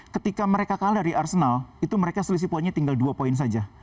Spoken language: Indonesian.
ketika mereka kalah dari arsenal itu mereka selisih poinnya tinggal dua poin saja